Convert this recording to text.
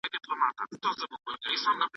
کمپيوټر ډياېناې تحليلوي.